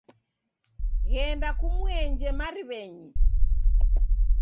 Ghenda kumuenje mariw'enyi.